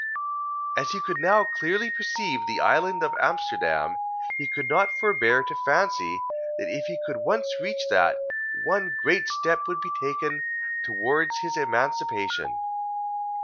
As he could now clearly perceive the island of Amsterdam, he could not forbear to fancy, that if he could once reach that, one great step would be taken towards his emancipation.